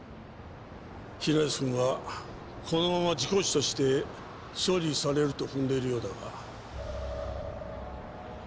平安くんはこのまま事故死として処理されると踏んでいるようだが。